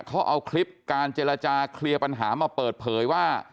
เขาเอาคลิปการเจรจาเคลียร์ปัญหามาเปิดเผยว่า